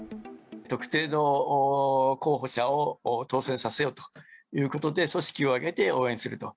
特定の候補者を当選させようということで、組織を挙げて応援すると。